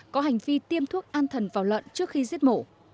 có hành vi tiêm thuốc an thần vào lợn trước khi giết mổ